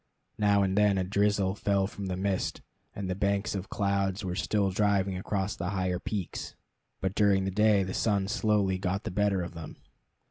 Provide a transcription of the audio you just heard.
Now and then a drizzle fell from the mist, and the banks of clouds were still driving across the higher peaks, but during the day the sun slowly got the better of them.